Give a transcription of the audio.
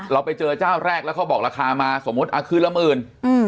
เราไปเจอเจ้าแรกแล้วเขาบอกราคามาสมมุติคืนละหมื่น